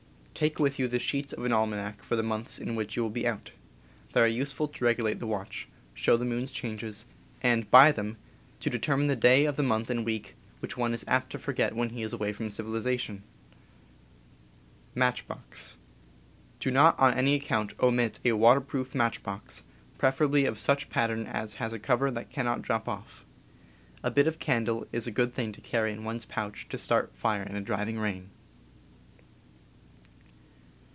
Take with you the sheets of an ^' almanac for the months in which you will be out. They are useful to regulate the watch, show the moon's changes, and, by them, to determine the day of the month and week, which one is apt to forget when he is away from civilization. Do not on any account omit a water 'proof matchbox, preferably of such pattern as has a cover that cannot ^,, drop off. A bit of candle is a good thing to carry in one's pouch to start fire in a driving rain.